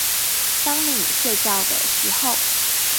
當你睡覺的時候